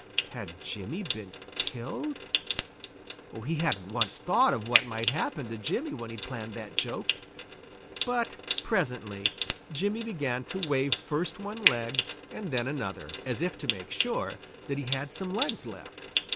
Had Jimmy been killed? He hadn't once thought of what might happen to Jimmy when he planned that joke. But presently Jimmy began to wave first one leg and then another, as if to make sure that he had some legs left.